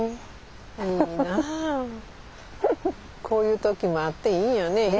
こういう時もあっていいよね。